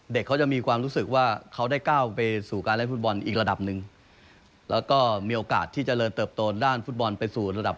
เขาจะมีความรู้สึกว่าเขาได้ก้าวไปสู่การเล่นฟุตบอลอีกระดับหนึ่งแล้วก็มีโอกาสที่เจริญเติบโตด้านฟุตบอลไปสู่ระดับ